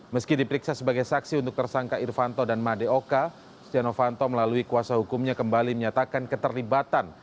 meski dipiksa sebagai saksi untuk tersangka irfanto dan marioka stiano fanto melalui kuasa hukumnya kembali menyatakan keterlibatan